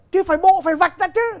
chứ phải bộ phải vạch ra chứ